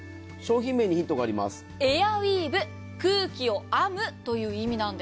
エアウィーヴ、空気を編むという意味なんです。